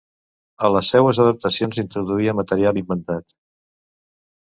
A les seues adaptacions introduïa material inventat.